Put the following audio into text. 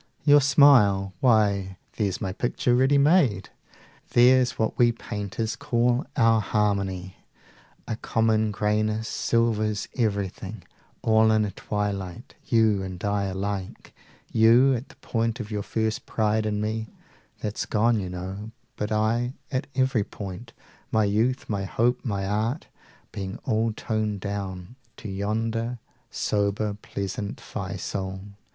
You smile? why, there's my picture ready made, There's what we painters call our harmony! A common grayness silvers everything 35 All in a twilight, you and I alike You, at the point of your first pride in me (That's gone you know) but I, at every point; My youth, my hope, my art, being all toned down To yonder sober, pleasant Fiesole.